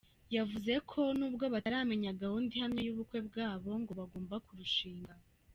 Yavuze ko nubwo bataramenya gahunda ihamye y’ubukwe bwabo, ngo bagomba kuzarushinga.